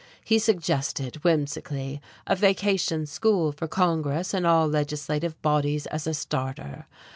He suggested, whimsically, a vacation school for Congress and all legislative bodies as a starter.